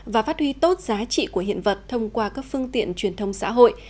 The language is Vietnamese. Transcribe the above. và phát huy tốt giá trị của hiện vật thông qua các phương tiện truyền thông xã hội